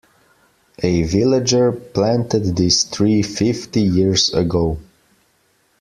A villager planted this tree fifty years ago.